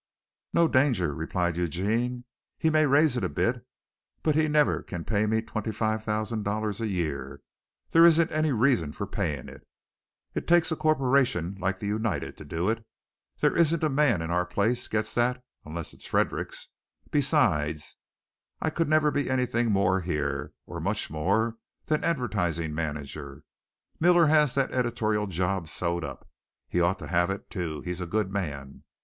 "No danger," replied Eugene. "He may raise it a bit, but he never can pay me twenty five thousand dollars a year. There isn't any reason for paying it. It takes a corporation like the United to do it. There isn't a man in our place gets that, unless it is Fredericks. Besides, I could never be anything more here, or much more, than advertising manager. Miller has that editorial job sewed up. He ought to have it, too, he's a good man.